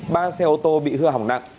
ba xe ô tô bị hư hỏng nặng